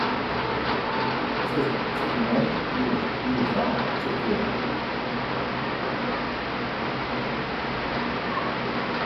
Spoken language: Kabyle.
Ttazneɣ imay i Yuba akka tura.